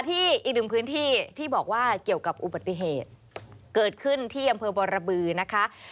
อีกหนึ่งพื้นที่ที่บอกว่าเกี่ยวกับอุบัติเหตุเกิดขึ้นที่อำเภอบรบือนะคะ